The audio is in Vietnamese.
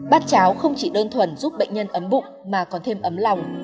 bát cháo không chỉ đơn thuần giúp bệnh nhân ấm bụng mà còn thêm ấm lòng